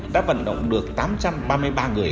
đã vận động được tám trăm ba mươi ba người